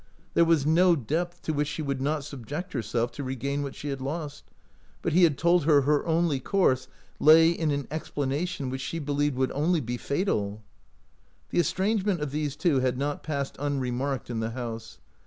There was no depth to which she would not subject herself to regain what she had lost ; but he had told her her only course lay in an ex planation which she believed would only be fatal. The estrangement of these two had not passed unremarked in the house.